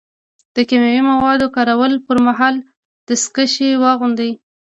د کیمیاوي موادو کارولو پر مهال دستکشې واغوندئ.